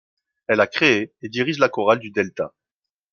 Elle a créé et dirige la Chorale du Delta.